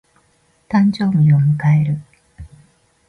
誕生日を迎える。